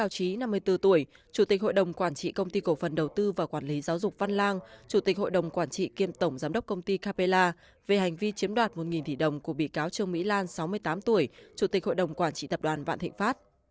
chủ tịch hội đồng quản trị kiêm tổng giám đốc công ty capella về hành vi chiếm đoạt một thỷ đồng của bị cáo trương mỹ lan sáu mươi tám tuổi chủ tịch hội đồng quản trị tập đoàn vạn thịnh pháp